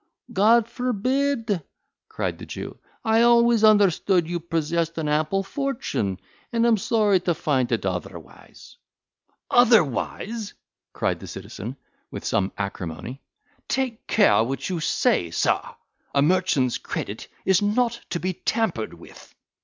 "God forbid!" cried the Jew, "I always understood you possessed an ample fortune, and am sorry to find it otherwise." "Otherwise!" cried the citizen, with some acrimony, "take care what you say, sir; a merchant's credit is not to be tampered with."